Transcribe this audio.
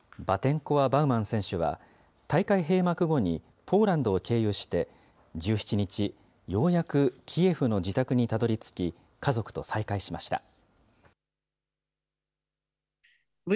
バテンコワバウマン選手は、大会閉幕後にポーランドを経由して１７日、ようやくキエフの自宅にたどりつき、家族と再会しました。